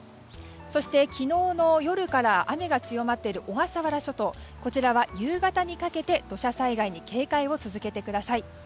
そして、昨日の夜から雨が強まっている小笠原諸島は、夕方にかけて土砂災害に警戒を続けてください。